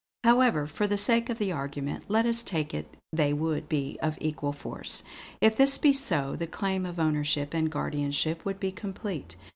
However, for the sake of the argument, let us take it they would be of equal force. If this be so, the claim of ownership and guardianship would be complete."